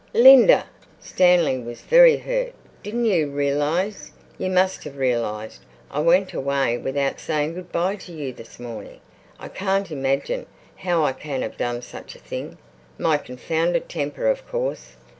"Linda!"—Stanley was very hurt—"didn't you realize—you must have realized—I went away without saying good bye to you this morning? I can't imagine how I can have done such a thing. My confounded temper, of course.